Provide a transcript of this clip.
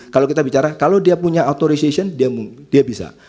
kalau kita bicara kalau dia punya authorization dia bisa